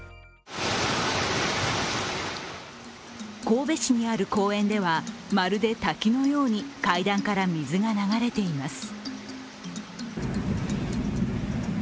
神戸市にある公園では、まるで滝のように階段から水が流れています。